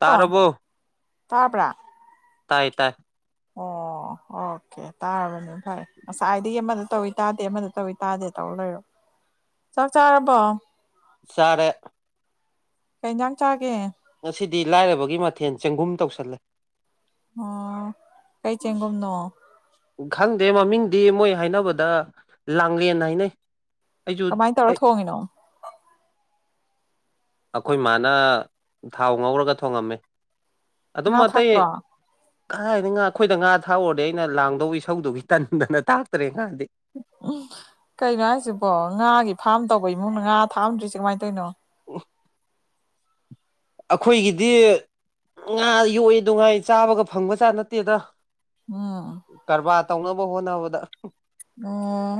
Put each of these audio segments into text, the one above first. ꯇꯥꯔꯔꯕꯣ ꯇꯥꯕ ꯇꯥꯏ ꯇꯥꯏ ꯑꯣ ꯑꯣꯀꯦ ꯇꯥꯔꯕꯅꯤ ꯐꯔ ꯉꯁꯥꯏꯗꯒꯤ ꯑꯃꯗ ꯇꯧꯤ ꯇꯥꯗꯦ ꯑꯃꯗ ꯇꯧꯤ ꯇꯥꯗꯦ ꯇ ꯂꯩꯔꯣ ꯆꯥꯛ ꯆꯥꯔꯕꯣ ꯆꯔꯦ ꯀꯩꯖꯥꯡ ꯆꯥꯒꯦ ꯉꯁꯤꯗꯤ ꯂꯥꯏꯔꯕꯒꯤ ꯃꯊꯦꯜ ꯆꯦꯡꯒꯨꯝ ꯇꯧꯁꯜꯂꯦ ꯑꯣ ꯀꯩ ꯆꯦꯡꯒꯨꯝꯅꯣ ꯈꯪꯗꯦ ꯃꯃꯤꯡꯗꯤ ꯃꯣꯏ ꯍꯥꯏꯅꯕꯗ ꯂꯥꯡꯂꯦꯟ ꯍꯥꯏꯅꯩ ꯑꯩꯁꯨ ꯀꯃꯥꯏꯅ ꯇꯧꯔ ꯑꯩ ꯊꯣꯡꯉꯤꯅꯣ ꯑꯩꯈꯣꯏ ꯏ ꯃꯥꯅ ꯊꯥꯎ ꯉꯧꯔꯒ ꯊꯣꯡꯉꯝꯃꯦ ꯉ ꯊꯥꯛ꯭ꯔꯣ ꯀꯥꯏꯅꯤ ꯉꯥ ꯑꯩꯈꯣꯏꯗ ꯉꯥ ꯊꯥꯛꯎꯔꯗꯤ ꯑꯩꯅ ꯂꯥꯡꯗꯧ ꯏꯁꯧꯗꯨꯒꯤ ꯇꯟꯗꯅ ꯇꯥꯛꯇꯔꯦ ꯉꯥꯗꯤ ꯎꯝ ꯀꯩꯅꯣ ꯍꯥꯏꯁꯤꯕꯣ ꯉꯥꯒꯤ ꯐꯥꯔꯝ ꯇꯧꯕ ꯏꯃꯨꯡꯅ ꯉꯥ ꯊꯥꯛꯑꯝꯗ꯭ꯔꯤꯁꯦ ꯀꯃꯥꯏꯅ ꯇꯧꯔꯤꯅꯣ ꯑꯩꯈꯣꯏꯒꯤꯗꯤ ꯉꯥ ꯌꯣꯛꯏ ꯅꯨꯡꯉꯥꯏ ꯆꯥꯕꯒ ꯐꯪꯕꯖꯥꯠ ꯅꯠꯇꯦꯗ ꯎꯝ ꯀꯔꯕꯥꯔ ꯇꯧꯅꯕ ꯍꯣꯠꯅꯕꯗ ꯎꯝ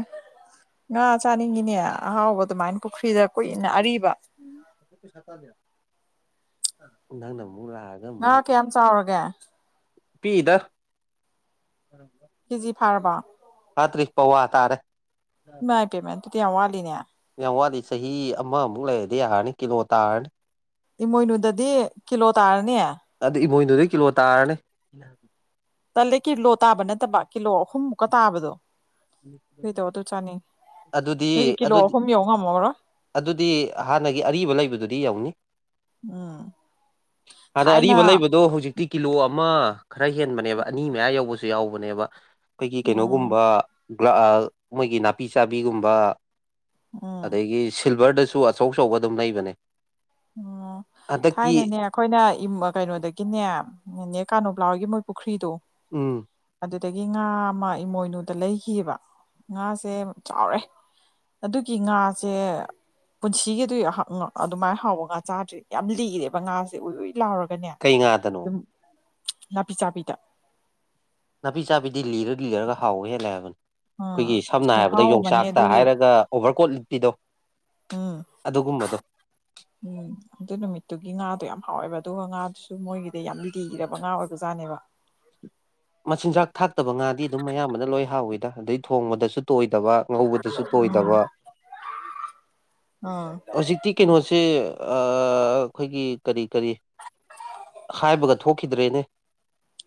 ꯉꯥ ꯆꯥꯅꯤꯡꯉꯤꯅꯦ ꯑꯍꯥꯎꯕ ꯑꯗꯨꯃꯥꯏꯅ ꯄꯨꯈ꯭ꯔꯤꯗ ꯀꯨꯏꯅ ꯑꯔꯤꯕ ꯎ ꯊꯪꯗ ꯉꯥ ꯀꯌꯥꯝ ꯆꯥꯎꯔꯒꯦ ꯄꯤꯗ ꯍꯤꯖꯤ ꯐꯥꯔꯔꯕ ꯄꯧꯋꯥ ꯇꯔꯦ ꯄꯦꯃ ꯑꯗꯨꯗꯤ ꯌꯥꯝ ꯋꯥꯠꯂꯤꯅꯦ ꯌꯥꯋꯥꯗꯁ ꯆꯍꯤ ꯑꯃꯃꯨꯛ ꯂꯩꯔꯗꯤ ꯌꯥꯔꯅꯤ ꯀꯤꯂꯣ ꯇꯥꯔꯅꯤ ꯏꯃꯣꯏꯅꯨꯗꯗꯤ ꯀꯤꯂꯣ ꯇꯥꯔꯅꯤ ꯑꯗꯨꯗ ꯏꯃꯣꯏꯅꯗꯨꯗꯩ ꯀꯤꯂꯣ ꯇꯥꯔꯅꯤ ꯇꯜꯂꯦ ꯀꯤꯂꯣ ꯇꯥꯕ ꯅꯠꯇꯕ ꯀꯤꯂꯣ ꯑꯍꯨꯝꯃꯨꯛꯀ ꯇꯥꯕꯗꯣ ꯀꯩꯗꯧ ꯑꯗꯨ ꯆꯥꯅꯤꯡ ꯑꯗꯨꯗꯤ ꯍꯧꯖꯤ ꯀꯤꯂꯣ ꯑꯗꯨꯗꯤ ꯑꯍꯨꯝ ꯌꯧ ꯉꯝꯃꯕ꯭ꯔꯥ ꯑꯗꯨꯗꯤ ꯍꯥꯟꯅꯒꯤ ꯑꯔꯤꯕ ꯂꯩꯕꯗꯨꯗꯤ ꯌꯧꯅꯤ ꯑꯥ ꯑꯗ ꯑꯔꯤꯕ ꯂꯩꯕꯗꯣ ꯍꯧꯖꯤꯛꯇꯤ ꯀꯤꯂꯣ ꯑꯃ ꯈꯔ ꯍꯦꯟꯕꯅꯦꯕ ꯑꯅꯤ ꯃꯌꯥ ꯌꯧꯕꯁꯨ ꯌꯥꯎꯕꯅꯦꯕ ꯑꯩꯈꯣꯏꯒꯤ ꯎꯝ ꯀꯩꯅꯣꯒꯨꯝꯕ ꯃꯣꯏꯒꯤ ꯅꯥꯄꯤ ꯆꯥꯕꯤꯒꯨꯝꯕ ꯎꯝ ꯑꯗꯒꯤ ꯁꯤꯜꯚꯔꯗꯁꯨ ꯑꯆꯧ ꯑꯆꯧꯕ ꯑꯗꯨꯝ ꯂꯩꯕꯅꯦ ꯎꯝ ꯍꯟꯗꯛꯇꯤ ꯊꯥꯏꯅꯅꯦ ꯑꯩꯈꯣꯏꯅ ꯀꯩꯅꯣꯗꯒꯤꯅꯦ ꯅꯦ ꯀꯥꯅꯣ ꯂꯥꯎꯒꯤ ꯃꯣꯏ ꯄꯨꯈ꯭ꯔꯤꯗꯣ ꯎꯝ ꯑꯗꯨꯗꯒꯤ ꯉꯥ ꯑꯃ ꯏꯃꯣꯏꯅꯨꯗ ꯂꯩꯈꯤꯑꯕ ꯉꯥꯁꯦ ꯆꯥꯎꯔꯦ ꯑꯗꯨꯒꯤ ꯉꯥꯁꯦ ꯄꯨꯟꯁꯤꯒꯤ ꯑꯗꯨ ꯑꯗꯨꯃꯥꯏꯅ ꯍꯥꯎꯕ ꯉꯥ ꯆꯥꯗ꯭ꯔꯦ ꯌꯥꯝ ꯂꯤꯔꯦꯕ ꯉꯥꯁꯦ ꯎꯣꯏ ꯂꯥꯎꯔꯒ ꯀꯩ ꯉꯥꯗꯅꯣ ꯅꯥꯄꯤ ꯆꯥꯕꯤꯗ ꯅꯥꯄꯤ ꯆꯥꯕꯤꯗꯤ ꯂꯤꯔ ꯂꯤꯔꯒ ꯍꯥꯎꯋ ꯍꯦꯜꯂꯦ ꯍꯥꯏꯕꯅꯤ ꯑꯥ ꯑꯩꯈꯣꯏꯒꯤ ꯁꯝꯅ ꯍꯥꯏꯔꯕꯗ ꯈꯨꯍꯥꯎ ꯑꯃꯅꯦ ꯌꯣꯡꯆꯥꯛꯇ ꯑꯗꯨꯒꯤ ꯍꯥꯏꯔꯒ ꯑꯣꯚꯔ ꯀꯣꯠ ꯂꯤꯠꯄꯤꯗꯣ ꯎꯝ ꯑꯗꯨꯒꯨꯝꯕꯗꯣ ꯎꯝ ꯑꯗꯨ ꯅꯨꯃꯤꯠꯇꯨꯒꯤ ꯉꯥꯗꯣ ꯌꯥꯝ ꯍꯥꯎꯋꯦꯕ ꯑꯗꯨꯒ ꯉꯥꯗꯨꯁꯨ ꯃꯣꯏꯒꯤꯗꯤ ꯌꯥꯝ ꯂꯤꯔꯕ ꯉꯥ ꯑꯣꯏꯕ ꯖꯥꯠꯅꯦꯕ ꯃꯆꯤꯟꯖꯥꯛ ꯊꯥꯛꯇꯕ ꯉꯥꯗꯤ ꯑꯗꯨꯝ ꯑꯌꯥꯝꯕꯅ ꯂꯣꯏ ꯍꯥꯎꯋꯤꯗ ꯑꯗꯩ ꯊꯣꯡꯕꯗꯁꯨ ꯇꯣꯏ ꯉꯧꯕ ꯎꯝ ꯇꯣꯏ ꯑꯥ ꯍꯧ ꯀꯩꯅꯣ ꯁꯤ ꯑꯩꯈꯣꯏꯒꯤ ꯀꯔꯤ ꯀꯔꯤ ꯍꯥꯏꯕꯒ ꯊꯣꯛꯈꯤꯗ꯭ꯔꯦꯅꯦ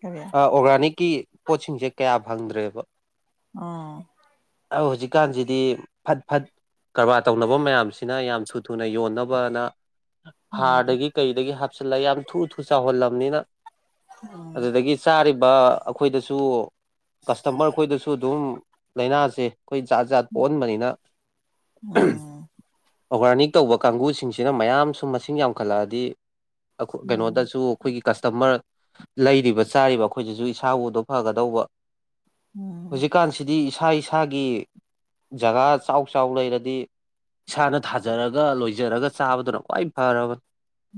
ꯀꯔꯤ ꯑꯣꯔꯒꯥꯅꯤꯛꯀꯤ ꯄꯣꯠꯁꯤꯡꯁꯦ ꯀꯌꯥ ꯐꯪꯗ꯭ꯔꯦꯕ ꯑ ꯍꯧꯖꯤꯛꯀꯥꯟꯁꯤꯗꯤ ꯐꯠ ꯐꯠ ꯀꯔꯕꯥꯔ ꯇꯧꯅꯕ ꯃꯌꯥꯝꯁꯦ ꯌꯥꯝ ꯊ ꯊꯅ ꯌꯣꯟꯅ ꯍꯥꯔ ꯎꯝ ꯀ ꯜꯂ ꯌꯥꯝ ꯊꯨ ꯊꯨ ꯆꯥꯎꯍꯜꯂꯝꯕꯅꯤꯅ ꯎꯝ ꯑꯗꯨ ꯆꯥ ꯑꯩꯈꯣꯏꯗꯁꯨ ꯀꯁꯇꯃꯔ ꯑꯩꯈꯣꯏꯗꯁꯨ ꯑꯗꯨꯝ ꯂꯥꯏꯅꯥꯁꯦ ꯑꯩꯈꯣꯏ ꯖꯥꯠ ꯖꯥꯠ ꯄꯣꯛꯍꯟꯕꯅꯤꯅ ꯎꯝ ꯑꯣꯔꯒꯥꯅꯤꯛ ꯇꯧꯕ ꯀꯥꯡꯒꯕꯨꯁꯤꯡꯁꯤꯅ ꯃꯌꯥꯝꯁꯨ ꯃꯁꯤꯡ ꯌꯥꯝꯈꯠꯂꯛꯑꯗꯤ ꯈ ꯎꯝ ꯀꯩꯅꯣꯗꯁꯨ ꯑꯩꯈꯣꯏꯒꯤ ꯀꯁꯇꯃꯔ ꯂꯩꯔꯤꯕ ꯆꯥꯔꯤꯕ ꯑꯩꯈꯣꯏꯁꯤꯁꯨ ꯏꯁꯥꯕꯨꯗꯣ ꯐꯒꯗꯧꯕ ꯎꯝ ꯍꯧꯖꯤꯛꯀꯥꯟꯁꯤꯗꯤ ꯏꯁꯥ ꯏꯁꯥꯒꯤ ꯖꯒꯥ ꯆꯥꯎ ꯆꯥꯎ ꯂꯩꯔꯗꯤ ꯏꯁꯥꯅ ꯊꯥꯖꯔꯒ ꯂꯣꯏꯖꯔꯒ ꯆꯥꯕꯗꯨꯅ ꯈ꯭ꯋꯥꯏ ꯐꯔꯕꯅꯤ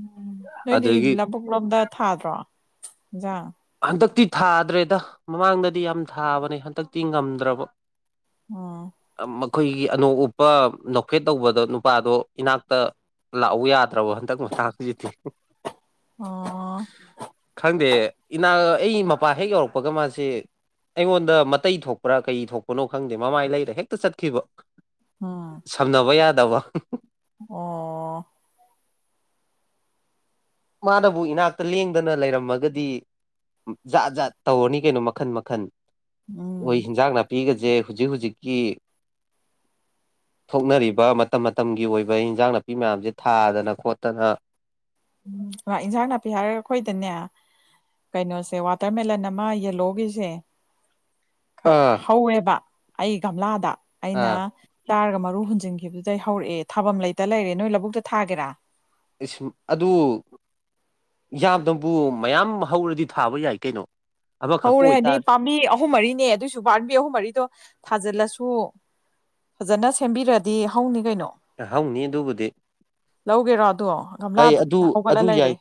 ꯎ ꯅꯣꯏꯗꯤ ꯑꯗꯒꯤ ꯂꯕꯨꯨꯛ ꯂꯣꯝꯗ ꯊꯥꯗ꯭ꯔꯣ ꯑꯣꯖꯥ ꯍꯟꯗꯛꯇꯤ ꯊꯥꯗ꯭ꯔꯦꯗ ꯃꯃꯥꯡꯗꯗꯤ ꯌꯥꯝ ꯊꯥꯕꯅꯦ ꯍꯟꯗꯛꯇꯤ ꯉꯝꯗ꯭ꯔꯕ ꯑ ꯑꯩꯈꯣꯏꯒꯤ ꯑꯅꯧ ꯎꯞꯄ ꯅ ꯐꯦꯠ ꯇꯧꯕꯗꯣ ꯅꯨꯄꯥꯗꯣ ꯏꯅꯥꯛꯇ ꯂꯥꯛꯎ ꯌꯥꯗ꯭ꯔꯕꯣ ꯍꯟꯗꯛ ꯃꯛ ꯍꯧꯖꯤꯛꯇꯤ ꯑꯣ ꯈꯪꯗꯦ ꯏꯅꯥ ꯑꯩ ꯃꯄꯥ ꯍꯦꯛ ꯌꯧꯔꯛꯄꯒ ꯃꯥꯁꯤꯦ ꯑꯩꯉꯣꯟꯗ ꯃꯇꯩ ꯊꯣꯛꯄ꯭ꯔꯥ ꯀꯩ ꯊꯣꯛꯄꯅꯣ ꯈꯪꯗꯦ ꯃꯃꯥꯏ ꯂꯩꯔ ꯍꯦꯛꯇ ꯆꯠꯈꯤꯕ ꯑ ꯁꯝꯅꯕ ꯌꯥꯗꯕ ꯑꯣ ꯃꯥꯅꯕꯨ ꯏꯅꯥꯛꯇ ꯂꯦꯡꯗꯅ ꯂꯩꯔꯝꯃꯒꯗꯤ ꯖꯥꯠ ꯖꯥꯠ ꯇꯧꯔꯅꯤ ꯀꯩꯅꯣ ꯃꯈꯟ ꯃꯈꯟ ꯎꯝ ꯍꯣꯏ ꯍꯤꯟꯖꯥꯡ ꯅꯥꯄꯤꯒꯁ ꯍꯧꯨꯖꯤꯛ ꯍꯧꯨꯖꯤꯛꯀꯤ [unintelligible] ꯊꯣꯛꯅꯔꯤꯕ ꯃꯇꯝ ꯃꯇꯝꯒꯤ ꯑꯣꯏꯕ ꯏꯟꯖꯥꯡ ꯅꯥꯄꯤ ꯃꯌꯥꯝꯁꯦ ꯊꯥꯗꯅ ꯈꯣꯠꯇꯅ ꯎꯝ ꯏꯟꯖꯥꯡ ꯅꯥꯄꯤ ꯍꯥꯏꯔꯒ ꯑꯩꯈꯣꯏꯗꯅꯦ ꯀꯩꯅꯣꯁꯦ ꯋꯥꯇꯔꯃꯦꯂꯟ ꯑꯃ ꯌꯦꯜꯂꯣꯒꯤꯁꯦ ꯑꯥ ꯍꯧꯋꯦꯕ ꯑꯩ ꯒꯝꯂꯥꯗ ꯑꯩꯅ ꯑꯥ ꯇꯥꯔꯒ ꯃꯔꯨ ꯍꯨꯟꯖꯤꯟꯈꯤꯕꯗꯨꯗ ꯑꯩ ꯍꯧꯔꯛꯑꯦ ꯊꯥꯐꯝ ꯂꯩꯇ ꯂꯩꯔꯦ ꯅꯣꯏ ꯂꯧꯕꯨꯛꯇ ꯊꯥꯒꯦꯔꯥ ꯑꯗꯨ ꯌꯥꯝꯗꯕꯨ ꯃꯌꯥꯝ ꯍꯧꯔꯗꯤ ꯊꯥꯕ ꯌꯥꯏ ꯀꯩꯅꯣ ꯑꯃꯈꯛꯇ ꯍꯧꯔꯦ ꯍꯥꯏꯗꯤ ꯑꯣꯏꯇꯥꯔꯦ ꯄꯥꯝꯕꯤ ꯑꯍꯨꯝ ꯃꯔꯤꯅꯦ ꯑꯗꯨꯏꯁꯨ ꯄꯥꯝꯕꯤ ꯑꯍꯨꯝ ꯃꯔꯤꯗꯣ ꯊꯥꯖꯤꯜꯂꯁꯨ ꯐꯖꯅ ꯁꯦꯝꯕꯤꯔꯗꯤ ꯍꯧꯅꯤ ꯀꯩꯅꯣ ꯌꯥꯍꯪꯅꯤ ꯑꯗꯨꯕꯨꯗꯤ ꯔꯣꯗꯣ ꯑꯩ ꯒꯝꯂꯥꯗ ꯑꯗꯨ ꯍꯧꯒꯠꯂ ꯑꯗꯨ ꯂꯩꯔꯦ ꯌꯥꯏ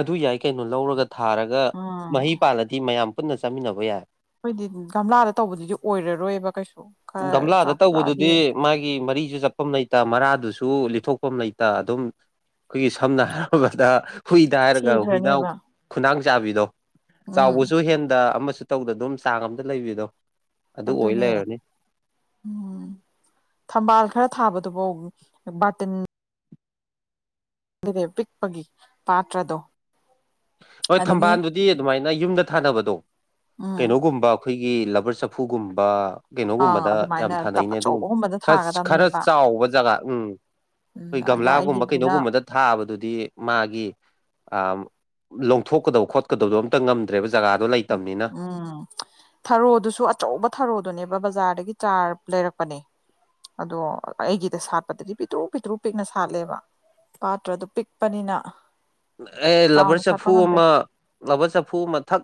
ꯑꯗꯨ ꯌꯥꯏ ꯀꯩꯅꯣ ꯂꯧꯔꯒ ꯊꯥꯔꯒ ꯎꯝ ꯃꯍꯩ ꯄꯥꯜꯂꯗꯤ ꯃꯌꯥꯝ ꯄꯨꯟꯅ ꯆꯥꯃꯤꯟꯅꯕ ꯌꯥꯏ ꯑꯩꯈꯣꯏꯗꯤ ꯒꯝꯂꯥꯗ ꯇꯧꯕꯗꯨꯗꯤ ꯑꯣꯏꯔꯔꯣꯏꯕ ꯀꯩꯁꯨ ꯈꯔ ꯒꯝꯂꯥꯗ ꯆꯥꯎꯈꯠꯂꯛꯑꯗꯤ ꯇꯧꯕꯗꯨꯗꯤ ꯃꯥꯒꯤ ꯃꯔꯤꯁꯨ ꯆꯄꯝ ꯂꯩ ꯃꯔꯥꯗꯨꯁꯨ ꯂꯤꯊꯣꯛꯐꯝ ꯂꯩꯇ ꯑꯗꯨꯝ ꯑꯩꯈꯣꯏꯒꯤ ꯁꯝꯅ ꯍꯥꯏꯔꯕꯗ ꯍꯨꯏꯗ ꯍꯥꯏꯔꯒ ꯍꯨꯏꯅ ꯁꯤꯈ꯭ꯔꯅꯦꯕ ꯈꯨꯅꯥꯡ ꯆꯥꯕꯤꯗꯣ ꯎꯝ ꯆꯥꯎꯕꯁꯨ ꯍꯦꯟꯗ ꯑꯃꯁꯨꯡ ꯇꯧꯗ ꯑꯗꯨꯝ ꯆꯥꯡ ꯑꯝꯇ ꯂꯩꯕꯤꯗꯣ ꯑꯗꯨ ꯑꯣꯏ ꯑꯗꯨꯅꯦ ꯂꯩꯔꯅꯤ ꯎꯝ ꯊꯝꯕꯥꯜ ꯈꯔ ꯊꯥꯕꯗꯨꯐꯥꯎ ꯇ ꯅꯦꯦ ꯄꯤꯛꯄꯒꯤ ꯄꯥꯇ꯭ꯔꯗꯣ ꯍꯣꯏ ꯑꯗꯒꯤ ꯊꯝꯕꯥꯜꯗꯨꯗꯤ ꯑꯗꯨꯃꯥꯏꯅ ꯌꯨꯝꯗ ꯊꯥꯅꯕꯗꯣ ꯎꯝ ꯀꯩꯅꯣꯒꯨꯝꯕ ꯑꯩꯈꯣꯏꯒꯤ ꯂꯕꯔ ꯆꯐꯨꯒꯨꯝꯕ ꯑꯥ ꯀꯩꯅꯣꯒꯨꯝꯕꯗ ꯌꯥꯝ ꯑꯗꯨꯃꯥꯏꯅ ꯇꯞ ꯊꯥꯅꯩꯅꯦ ꯑꯗꯨꯒ ꯑꯆꯧꯕꯒꯨꯝꯕꯗ ꯈꯔ ꯊꯥꯒꯗꯕꯅꯦꯕ ꯆꯥꯎꯕ ꯖꯒꯥ ꯎꯝ ꯎꯝ ꯑꯩꯈꯣꯏ ꯑꯗ ꯒꯝꯂꯥꯒꯨꯝꯕ ꯑꯩꯒꯤꯗꯨꯅ ꯀꯩꯅꯣꯒꯨꯝꯕꯗ ꯊꯥꯕꯗꯨꯗꯤ ꯃꯥꯊꯣꯛꯀꯗ ꯈꯣꯀꯗꯗ꯭ꯔꯦ ꯎꯝ ꯊꯔꯣꯗꯨꯁꯨ ꯑꯆꯧꯕ ꯊꯔꯣꯗꯨꯅꯦꯕ ꯕꯖꯥꯔꯗꯒꯤ ꯒꯤ ꯆꯥꯔ ꯂꯩꯔꯛꯄꯅꯦ ꯑꯗꯣ ꯑꯩꯒꯤꯗ ꯁꯥꯠꯄꯗꯗꯤ ꯄꯤꯛꯇ꯭ꯔꯨ ꯄꯤꯛꯇ꯭ꯔꯨ ꯄꯤꯛꯅ ꯁꯥꯠꯂꯦꯕ ꯄꯥꯇ꯭ꯔꯗꯨ ꯄꯤꯛꯄꯅꯤꯅ ꯑꯦ ꯂꯕꯔ ꯆꯥꯎꯅ ꯁꯥꯠꯄ ꯆꯐꯨ ꯉꯝꯗ꯭ꯔꯦ ꯑꯃ ꯂꯕꯔ ꯆꯐꯨ ꯑꯃ ꯊꯛ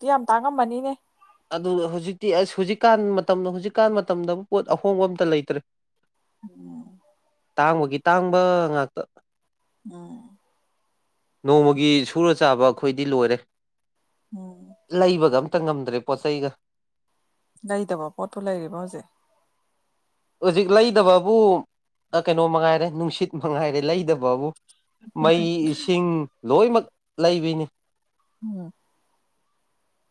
ꯑꯗꯨ ꯌꯥꯝ ꯇꯥꯡꯉꯃꯅꯤꯅꯦ ꯑꯗꯨ ꯍꯧꯖꯤꯛꯇꯤ ꯑꯁ ꯍꯧꯖꯤꯛꯀꯥꯟ ꯃꯇꯝ ꯍꯧꯖꯤꯛꯀꯥꯟ ꯃꯇꯝꯗ ꯄꯣꯠ ꯑꯍꯣꯡꯕ ꯑꯃꯝꯇ ꯂꯩꯇ꯭ꯔꯦ ꯎꯝ ꯇꯥꯡꯕꯒꯤ ꯇꯥꯡꯕ ꯉꯥꯛꯇ ꯑ ꯅꯣꯡꯃꯒꯤ ꯁꯨꯔ ꯆꯥꯕ ꯑꯩꯈꯣꯏꯗꯤ ꯂꯣꯏꯔꯦ ꯎꯝ ꯂꯩꯕꯒ ꯈꯤꯛꯇ ꯉꯝꯗ꯭ꯔꯦ ꯄꯣꯠꯆ ꯆꯩꯒ ꯒꯥꯔꯤꯗꯕꯣ ꯄꯣꯠꯄꯨ ꯂꯩꯔꯤꯕ ꯍꯧꯖꯤꯛ ꯍꯧꯖꯤꯛ ꯂꯩꯗꯕꯕꯨ ꯀꯩꯅꯣ ꯃꯉꯥꯏꯔꯦ ꯅꯨꯡꯁꯤꯠ ꯃꯉꯥꯏꯔꯦ ꯂꯩꯗꯕꯕꯨ ꯃꯩꯁꯤꯡ ꯂꯣꯏꯅꯃꯛ ꯂꯩꯕꯅꯤ ꯎꯝ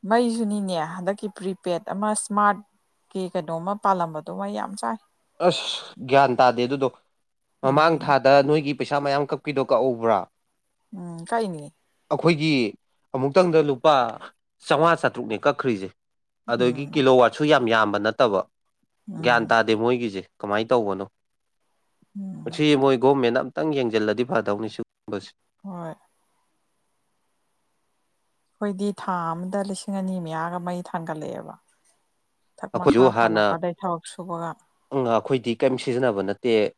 ꯃꯩꯁꯨꯅꯤꯅꯦ ꯍꯟꯗꯛꯀꯤ ꯄ꯭ꯔꯤꯄꯦꯗ ꯑꯃ ꯏꯁꯃꯥꯔꯠ ꯀꯤ ꯀꯩꯅꯣꯝꯃ ꯄꯥꯜꯂꯝꯕꯗꯣ ꯃ ꯌꯥꯝ ꯆꯥꯏ ꯑꯁ ꯒ꯭ꯌꯥꯟ ꯇꯥꯗꯦ ꯑꯗꯨꯗꯣ ꯃꯃꯥꯡ ꯎꯝ ꯊꯥꯗ ꯅꯣꯏꯒꯤ ꯄꯩꯁꯥ ꯃꯌꯥꯝ ꯀꯞꯈꯤꯗꯣ ꯀꯛꯎꯕ꯭ꯔꯥ ꯎꯝ ꯀꯥꯏꯅꯤ ꯑꯩꯈꯣꯏꯒꯤ ꯑꯃꯨꯛꯇꯪꯗ ꯂꯨꯄꯥ ꯆꯥꯝꯃꯉꯥ ꯆꯥꯇ꯭ꯔꯨꯛꯅꯦ ꯀꯛꯈ꯭ꯔꯤꯁꯦ ꯑꯗꯒꯤ ꯎꯝ ꯀꯤꯂꯣ ꯋꯥꯠꯁꯨ ꯌꯥꯝ ꯌꯥꯝꯕ ꯅꯠꯇꯕ ꯒ꯭ꯌꯥꯟ ꯎꯝ ꯇꯥꯗꯦ ꯃꯣꯏꯒꯤ ꯦ ꯀꯃꯥꯏꯅ ꯇꯧꯕꯅꯣ ꯎꯝ ꯁꯤ ꯃꯣꯏ ꯒꯦꯟ ꯈꯤꯇꯪ ꯌꯦꯡꯁꯤꯜꯂꯗꯤ ꯐꯗꯧꯅꯤ ꯁꯤꯒꯨꯝꯕꯁꯦ ꯍꯣꯏ ꯑꯩꯈꯣꯏꯗꯤ ꯊꯥ ꯑꯃꯗ ꯂꯤꯁꯤꯡ ꯑꯅꯤ ꯃꯌꯥꯒ ꯃꯩ ꯊꯥꯡꯒꯠꯂꯛꯑꯦꯕ ꯊꯛ ꯃꯈꯥ ꯑꯩꯈꯣꯏꯁꯨ ꯍꯥꯟꯅ ꯊꯥꯜꯂꯛꯄ ꯑꯗꯩ ꯊꯕꯛ ꯁꯨꯕꯒ ꯀꯩꯝ ꯁꯤꯖꯤꯟꯅꯕ ꯅꯠꯇꯦ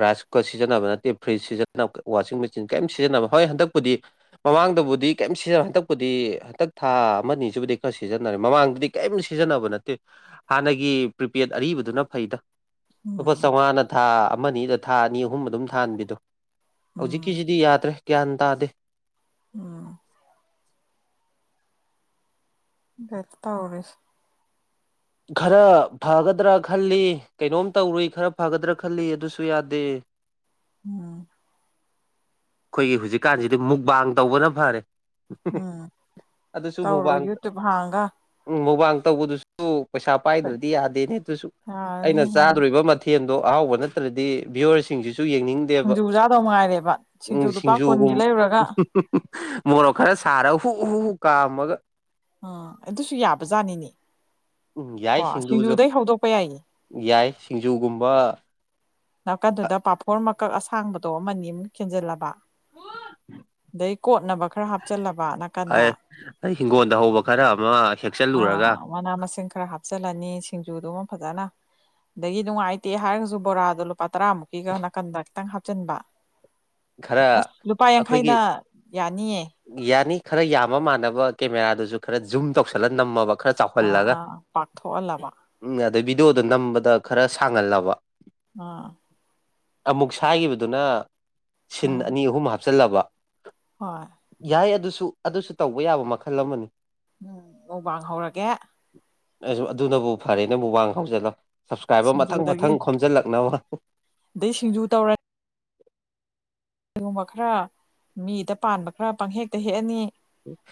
ꯔꯥꯏꯁ ꯀꯨꯀꯔ ꯁꯤꯖꯤꯟꯅꯕ ꯅꯠꯇꯦ ꯐ꯭ꯔꯤꯖ ꯁꯤꯖꯤꯟꯅꯕ ꯋꯥꯁꯤꯡ ꯃꯦꯆꯤꯟ ꯀꯔꯤꯝ ꯁꯤꯖꯤꯟꯅꯕ ꯍꯣꯏ ꯍꯟꯗꯛꯄꯨꯗꯤ ꯃꯃꯥꯡꯗꯕꯨꯗꯤ ꯀꯔꯤꯝꯇ ꯁꯤꯖꯤꯟꯅ ꯍꯟꯗꯛꯄꯗꯤ ꯍꯟꯗꯛ ꯊꯥ ꯑꯃ ꯑꯅꯤꯁꯤꯕꯨꯗꯤ ꯈꯔ ꯁꯤꯖꯤꯟꯅꯔꯦ ꯃꯃꯥꯡꯗꯗꯤ ꯀꯔꯤꯝ ꯁꯤꯖꯤꯟꯅꯕ ꯅꯠꯇꯦ ꯍꯥꯟꯅꯒꯤ ꯄ꯭ꯔꯤꯄꯦꯗ ꯑꯔꯤꯕꯗꯨꯅ ꯐꯩꯗ ꯂꯨꯄꯥ ꯎꯝ ꯆꯥꯝꯃꯉꯥꯅ ꯊꯥ ꯑꯃ ꯑꯅꯤꯗ ꯊꯥ ꯑꯅꯤ ꯑꯍꯨꯝ ꯑꯗꯨꯝ ꯊꯥꯍꯟꯕꯤꯗꯨꯣ ꯎꯝ ꯍꯧꯖꯤꯛꯀꯤꯁꯤꯗꯤ ꯌꯥꯗ꯭ꯔꯦ ꯒ꯭ꯌꯥꯟ ꯇꯥꯗꯦ ꯎꯝ ꯦꯠ ꯇ ꯍꯧꯔꯁ ꯈꯔ ꯐꯒꯗ꯭ꯔꯥ ꯈꯜꯂꯤ ꯀꯩꯅꯣꯝ ꯇꯧꯔꯨꯏ ꯈꯔ ꯐꯒꯗ꯭ꯔꯥ ꯈꯜꯂꯤ ꯑꯗꯨꯁꯨ ꯌꯥꯗꯦ ꯎꯝ ꯑꯩꯈꯣꯏꯒꯤ ꯍꯧꯖꯤꯛꯀꯥꯟꯁꯤꯗꯤ ꯃꯨꯛꯕꯥꯡ ꯇꯧꯕꯅ ꯐꯔꯦ ꯎꯝ ꯑꯗꯨꯁꯨ ꯃꯨꯕꯥ ꯇꯧꯔꯣ ꯌꯨꯇ꯭ꯌꯨꯞ ꯍꯥꯡꯒ ꯎꯝ ꯃꯨꯕꯥꯥꯡ ꯇꯧꯕꯗꯨꯁꯨ ꯄꯩꯁꯥ ꯄꯥꯏꯗ꯭ꯔꯗꯤ ꯌꯥꯗꯦꯅꯦ ꯑꯗꯨꯁꯨ ꯑꯩꯅ ꯌꯥꯔꯅꯤ ꯅꯪ ꯆꯥꯗꯣꯔꯤꯕ ꯃꯊꯦꯜ ꯑꯗꯣ ꯑꯍꯥꯎꯕ ꯅꯠꯇ꯭ꯔꯗꯤ ꯚꯤꯌꯋꯔꯁꯤꯡꯁꯤ ꯁꯤꯡꯖꯨꯖꯥꯗꯧ ꯉꯥꯏꯔꯦꯕ ꯎ ꯁꯤꯡꯖꯨ ꯂꯨꯄꯥ ꯀꯨꯟꯒꯤ ꯁꯤꯡꯖꯨꯒꯨꯝ ꯂꯩꯔꯨꯔꯒ ꯃꯣꯔꯣꯛ ꯈꯔ ꯁꯥꯔꯒ ꯍꯨ ꯍꯨ ꯍꯨ ꯀꯥꯝꯃꯒ ꯑꯥ ꯑꯗꯨꯁꯨ ꯌꯥꯕꯖꯥꯠꯅꯤꯅꯦ ꯎꯝ ꯀꯣ ꯌꯥꯏ ꯁꯤꯡꯖꯨꯁꯨ ꯁꯤꯡꯖꯨꯗꯩ ꯍꯧꯗꯣꯛꯄ ꯌꯥꯏꯌꯦ ꯌꯥꯏ ꯁꯤꯡꯖꯨꯒꯨꯝꯕ ꯑ- ꯅꯥꯀꯟꯗꯨꯗ ꯄꯥꯐꯣꯔ ꯃꯀꯛ ꯑꯁꯥꯡꯕꯗꯣ ꯑꯃꯅꯤ ꯅꯤ ꯑꯃꯝꯛ ꯈꯦꯟꯖꯤꯜꯂꯕ ꯑꯗꯩ ꯀꯣꯠꯅꯕ ꯈꯔ ꯍꯥꯞꯆꯜꯂꯕ ꯅꯥꯀꯟꯗ ꯑꯩ ꯑꯩ ꯍꯤꯡꯒꯣꯜꯗ ꯍꯧꯕ ꯈꯔ ꯑꯃ ꯍꯦꯛꯆꯜꯂꯨꯔꯒ ꯑꯥ ꯃꯅꯥ ꯃꯁꯤꯡ ꯈꯔ ꯍꯥꯞꯆꯜꯂꯅꯤ ꯁꯤꯡꯖꯨꯗꯨ ꯐꯖꯅ ꯑꯗꯒꯤ ꯅꯨꯡꯉꯥꯏꯇꯦ ꯍꯥꯏꯔꯒꯁꯨ ꯕꯣꯔꯥꯗꯣ ꯂꯨꯄꯥ ꯇꯔꯥꯃꯨꯛꯀꯤꯒ ꯅꯥꯀꯟꯗ ꯈꯤꯛꯇꯪ ꯍꯥꯞ ꯍꯥꯞꯆꯤꯟꯕ ꯈꯔ ꯑꯁ ꯂꯨꯄꯥ ꯑꯩꯈꯣꯏꯒꯤ ꯌꯥꯡꯈꯩꯅ ꯌꯥꯅꯤꯌꯦ ꯌꯥꯅꯤ ꯈꯔ ꯌꯥꯝꯕ ꯃꯥꯟꯅꯕ ꯀꯦꯃꯦꯔꯥꯗꯨꯁꯨ ꯈꯔ ꯖꯨꯝ ꯇꯧꯁꯜꯂ ꯅꯝꯃꯕ ꯈꯔ ꯑꯥ ꯆꯥꯎꯍꯜꯂꯒ ꯑꯥ ꯄꯥꯛꯊꯣꯛꯍꯜꯂꯕ ꯎꯝ ꯑꯗꯩ ꯚꯤꯗꯤꯑꯣꯗꯣ ꯅꯝꯕꯗ ꯈꯔ ꯁꯥꯡꯍꯜꯂꯕ ꯑꯥ ꯑꯃꯨꯛ ꯁꯥꯏꯈꯤꯕꯗꯨꯅ ꯁꯤꯟ ꯑꯥ ꯑꯅꯤ ꯑꯍꯨꯝ ꯍꯥꯞꯆꯤꯜꯂꯕ ꯍꯣꯏ ꯌꯥꯏ ꯑꯗꯨꯁꯨ ꯑꯗꯨꯁꯨ ꯇꯧꯕ ꯌꯥꯕ ꯃꯈꯜ ꯑꯃꯅꯤ ꯎꯝ ꯃꯨꯛꯕꯥꯡ ꯍꯧꯔꯒꯦ ꯑꯗꯨꯅꯕꯨ ꯐꯔꯦꯅꯕꯨ ꯋꯥꯡ ꯍꯧꯖꯜꯂꯣ ꯁꯞꯁꯀ꯭ꯔꯥꯏꯕꯔ ꯃꯊꯪ ꯁꯤꯡꯖꯨꯗꯒꯤ ꯃꯊꯪ ꯈꯣꯝꯖꯤꯜꯂꯛꯅꯕ ꯑꯗꯩ ꯁꯤꯡꯖꯨ ꯇꯧꯔ ꯀꯔꯤꯒꯨꯝꯕ ꯈꯔ ꯃꯤꯗ ꯄꯥꯟꯕ ꯈꯔ ꯄꯪꯍꯦꯛꯇ ꯍꯦꯛꯑꯅꯤ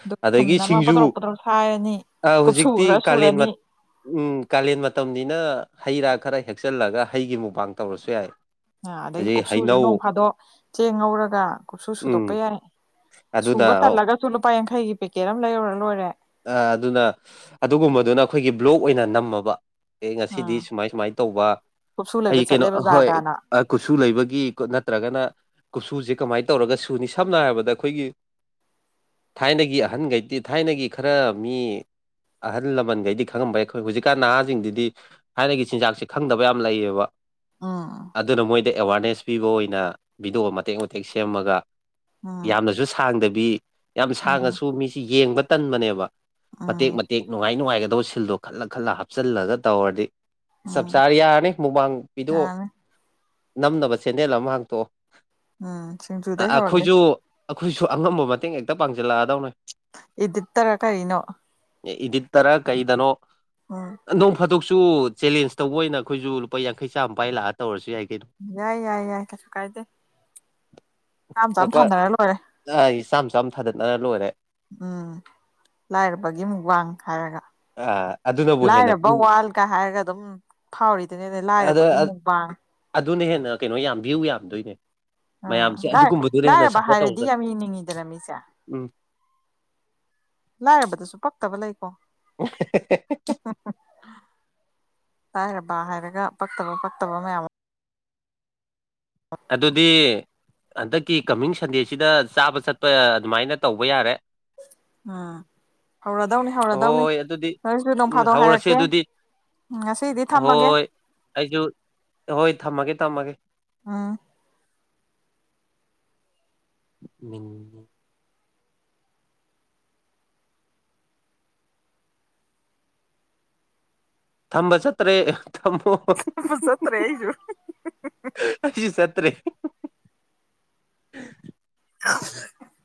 ꯑꯗꯨ ꯊꯨꯝ ꯑꯗꯒꯤ ꯑꯃ ꯄꯗ꯭ꯔꯧ ꯁꯤꯡꯖꯨ ꯄꯗ꯭ꯔꯧ ꯁꯥꯏꯔꯅꯤ ꯀꯨꯞꯁꯨ ꯈ꯭ꯔ ꯍꯧꯖꯤꯛꯇꯤ ꯀꯥꯂꯦꯟ ꯁꯨꯔꯅꯤ ꯎꯝ ꯀꯥꯂꯦꯟ ꯃꯇꯝꯅꯤꯅ ꯍꯩ ꯔꯥ ꯈꯔ ꯍꯦꯛꯆꯜꯂꯒ ꯍꯩꯒꯤ ꯃꯨꯕꯥꯥꯡ ꯇꯧꯔꯁꯨ ꯌꯥꯏ ꯑꯥ ꯑꯗꯒꯤ ꯍꯧꯖꯤꯛ ꯀꯨꯞꯁꯨꯁꯨ ꯅꯣꯡ ꯍꯩꯅꯧ ꯐꯥꯗꯣꯛ ꯆꯦꯡ ꯉꯧꯔꯒ ꯀꯨꯞꯁꯨ ꯁꯨꯗꯣꯛꯄ ꯎꯝ ꯌꯥꯔꯦ ꯁꯨꯕ ꯇ ꯑꯂꯒ ꯆꯂꯣ ꯑ ꯑꯗꯨꯅ ꯑꯗꯨꯒꯨꯝꯕꯗꯨꯅ ꯑꯩꯈꯣꯏꯒꯤ ꯕ꯭ꯂꯣꯛ ꯑꯣꯏꯅ ꯅꯝꯃꯕ ꯑꯦ ꯉꯁꯤꯗꯤ ꯑꯥ ꯁꯨꯃꯥꯏ ꯁꯨꯃꯥꯏꯅ ꯇꯧꯕ ꯀꯨꯞꯁꯨ ꯂꯩꯕ ꯑꯩ ꯀꯩꯅꯣ ꯆꯠꯂꯦ ꯍꯣꯏ ꯕꯖꯥꯔꯗꯅ ꯀꯨꯠꯁꯨ ꯂꯩꯕꯒꯤ ꯅꯠꯇ꯭ꯔꯒꯅ ꯀꯨꯞꯁꯨꯁꯦ ꯀꯃꯥꯏꯅ ꯇꯧꯔꯒ ꯁꯨꯅꯤ ꯁꯝꯅ ꯍꯥꯏꯔꯕꯗ ꯑꯩꯈꯣꯏꯒꯤ ꯊꯥꯏꯅꯒꯤ ꯑꯍꯟꯈꯩꯗꯤ ꯊꯥꯏꯅꯒꯤ ꯈꯔ ꯃꯤ ꯑꯍꯜ ꯂꯃꯟꯈꯩꯗꯤ ꯈꯪꯉꯕ ꯌꯥꯏ ꯑꯩꯈꯣꯏ ꯍꯧꯖꯤꯛꯀꯥꯟ ꯅꯍꯥꯁꯤꯡꯗꯨꯗꯤ ꯊꯥꯏꯅꯒꯤ ꯆꯤꯟꯖꯥꯛꯁꯦ ꯈꯪꯗꯕ ꯌꯥꯝ ꯂꯩꯌꯦꯕ ꯎꯝ ꯑꯗꯨꯅ ꯃꯣꯏꯗ ꯑꯦꯋꯥꯔꯅꯦꯁ ꯄꯤꯕ ꯑꯣꯏꯅ ꯚꯤꯗꯤꯑꯣ ꯃꯇꯦꯛ ꯃꯇꯦꯛ ꯁꯦꯝꯃꯒ ꯎꯝ ꯌꯥꯝꯅꯁꯨ ꯁꯥꯡꯗꯕꯤ ꯌꯥꯝ ꯎꯝ ꯁꯥꯡꯉꯁꯨ ꯃꯤꯁꯤ ꯌꯦꯡꯕ ꯇꯟꯕꯅꯦꯕ ꯃꯇꯦꯛ ꯎꯝ ꯃꯇꯦꯛ ꯅꯨꯡꯉꯥꯏ ꯅꯨꯡꯉꯥꯏꯒꯗꯕ ꯁꯤꯜꯗꯣ ꯈꯜꯂ ꯈꯜꯂ ꯍꯥꯞꯆꯜꯂꯒ ꯇꯧꯔꯗꯤ ꯆꯞ ꯎꯝ ꯆꯥꯔ ꯌꯥꯔꯅꯤ ꯃꯨꯃꯥꯡ ꯄꯤꯗꯣꯛ ꯌꯥꯅꯤ ꯅꯝꯅꯕ ꯁꯦꯟꯗꯦꯜ ꯑꯃ ꯍꯥꯡꯇꯣꯛꯑꯣ ꯎꯝ ꯁꯤꯁꯤꯡꯖꯨꯗ ꯍꯥꯏꯋꯥꯒꯦ ꯑꯩꯈꯣꯏꯁꯨ ꯑꯩꯈꯣꯏꯁꯨ ꯑꯉꯝꯕ ꯃꯇꯦꯡ ꯍꯦꯛꯇ ꯄꯥꯡꯁꯤꯜꯂꯛꯑꯗꯧꯅꯦ ꯏꯗꯤꯠꯇꯔ ꯀꯔꯤꯅꯣ ꯏꯗꯤꯠꯇꯔ ꯀꯩꯗꯅꯣ ꯎꯝ ꯅꯣꯡ ꯐꯥꯗꯣꯛ ꯁꯨ ꯆꯦꯂꯦꯟꯖ ꯇꯧꯕ ꯑꯣꯏꯅ ꯑꯩꯈꯣꯏꯁꯨ ꯂꯨꯄꯥ ꯌꯥꯡꯈꯩ ꯆꯥꯝꯃꯄꯥꯥꯏ ꯂꯥꯛꯑ ꯇꯧꯔꯁꯨ ꯌꯥꯏ ꯀꯩꯅꯣ ꯌꯥꯏ ꯌꯥꯏ ꯌꯥꯏ ꯀꯁ ꯀꯥꯏꯗꯦ ꯌꯥꯝꯝ ꯇꯝ ꯂꯨꯄꯥ ꯊꯥꯅꯔ ꯂꯣꯏꯔꯦ ꯆꯥꯝ ꯆꯥꯝ ꯆꯝ ꯊꯥꯗꯠꯅꯔ ꯂꯣꯏꯔꯦ ꯎꯝ ꯂꯥꯏꯔꯕꯒꯤ ꯑꯃꯨꯛ ꯋꯥꯡ ꯍꯥꯏꯔꯒ ꯑ ꯑꯗꯨꯅꯕꯨ ꯍꯦꯟꯅ ꯂꯥꯏꯔꯕ ꯚ꯭ꯌꯨ ꯋꯥꯜꯒ ꯍꯥꯏꯔꯒ ꯑꯗꯨꯝ ꯐꯥꯎꯔꯤꯗꯨꯅꯦꯅꯦ ꯑꯗ ꯂꯥꯏꯔꯕꯒꯤ ꯃꯨꯕꯥꯡ ꯑꯗꯨꯅ ꯍꯦꯟꯅ ꯀꯩꯅꯣ ꯌꯥꯝ ꯚꯌꯨ ꯌꯥꯝꯗꯣꯏꯅꯦ ꯃꯌꯥꯝꯁꯦ ꯎꯝ ꯂꯥꯏ ꯑꯗꯨꯒꯨꯝꯕꯗꯨꯅ ꯍꯦꯟꯅ ꯂꯥꯏꯔꯕ ꯁꯞꯄꯣꯔꯠ ꯍꯥꯏꯔꯗꯤ ꯇꯧꯔꯒꯅꯤ ꯌꯥꯝ ꯏꯅꯤꯡꯉꯤꯗꯅ ꯃꯤꯁꯦ ꯎꯝ ꯂꯥꯏꯔꯕꯗꯁꯨ ꯄꯛꯇꯕ ꯂꯩꯀꯣ [unintelligible] ꯂꯥꯏꯔꯕ ꯍꯥꯏꯔꯒ ꯄꯛꯇꯕ ꯄꯛꯇꯕ ꯃꯌꯥꯝ ꯑꯃ ꯑꯗꯨꯗꯤ ꯍꯟꯗꯛꯀꯤ ꯀꯃꯤꯡ ꯁꯟꯗꯦꯁꯤꯗ ꯆꯥꯕ ꯆꯠꯄ ꯑꯗꯨꯃꯥꯏꯅ ꯇꯧꯕ ꯌꯥꯔꯦ ꯑꯥ ꯍꯣꯏ ꯑꯗꯨꯗꯤ ꯅꯣꯏꯁꯨ ꯅꯣꯡ ꯎꯝ ꯐꯥꯗꯣꯛ ꯍꯧꯔꯁꯦ ꯍꯥꯏꯔꯛꯀꯦ ꯑꯗꯨꯗꯤ ꯉꯁꯤꯗꯤ ꯊꯝꯃꯒꯦ ꯍꯣꯏ ꯑꯩꯁꯨ ꯍꯣꯏ ꯊꯝꯃꯒꯦ ꯊꯝꯃꯒꯦ [inaudible] ꯎꯝ ꯊꯝꯕ ꯆꯠꯇ꯭ꯔꯦ ꯊꯝꯃꯣ ꯆꯠꯇ꯭ꯔꯦ ꯑꯩꯁꯨ ꯑꯩꯁꯨ ꯆꯠ ꯇ꯭ꯔꯦ [unintelligible]